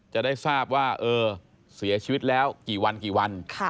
จะได้ทราบว่าเสียชีวิตแล้วกี่วันกี่วัน